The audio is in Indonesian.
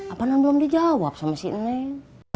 apa namanya belum dijawab sama si neng